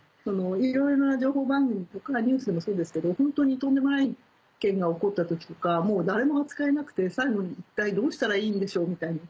いろいろな情報番組とかニュースでもそうですけどホントにとんでもない件が起こった時とかもう誰も扱えなくて最後に一体どうしたらいいんでしょうみたいに。